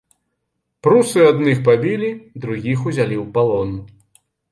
Прусы адных пабілі, другіх узялі ў палон.